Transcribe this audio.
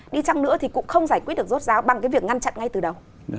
đi chăng nữa thì cũng không giải quyết được rốt ráo bằng cái việc ngăn chặn ngay từ đầu